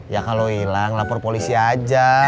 ya kalau hilang lapor polisi aja